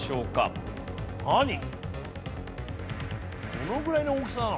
どのぐらいの大きさなの？